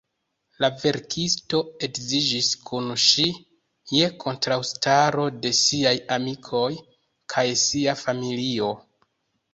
La verkisto edziĝis kun ŝi je kontraŭstaro de siaj amikoj kaj sia familio.